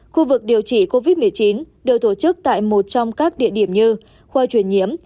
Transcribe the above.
khu vực điều trị covid một mươi chín được tổ chức tại một trong các địa điểm như khoa truyền nhiễm